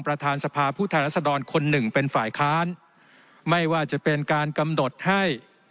ประธานสภาผู้แทนรัศดรคนหนึ่งเป็นฝ่ายค้านไม่ว่าจะเป็นการกำหนดให้